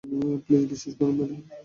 Please বিশ্বাস করুন, madam.